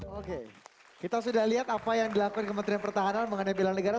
oke kita sudah lihat apa yang dilakukan kementerian pertahanan mengenai bela negara